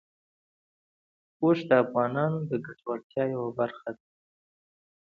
اوښ د افغانانو د ګټورتیا یوه برخه ده.